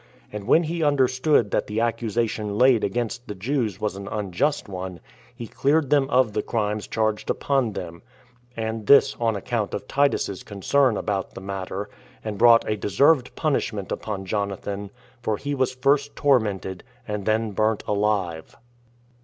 And when he understood that the accusation laid against the Jews was an unjust one, he cleared them of the crimes charged upon them, and this on account of Titus's concern about the matter, and brought a deserved punishment upon Jonathan; for he was first tormented, and then burnt alive.